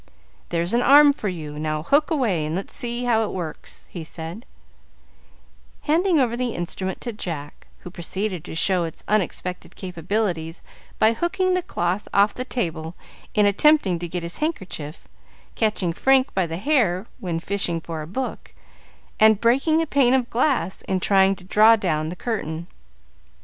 "There's an arm for you; now hook away, and let's see how it works," he said, handing over the instrument to Jack, who proceeded to show its unexpected capabilities by hooking the cloth off the table in attempting to get his handkerchief, catching Frank by the hair when fishing for a book, and breaking a pane of glass in trying to draw down the curtain.